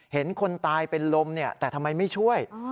เห็นคนตายเป็นลมแต่ทำไมไม่ช่วย